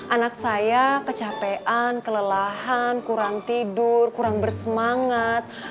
anak saya kecapean kelelahan kurang tidur kurang bersemangat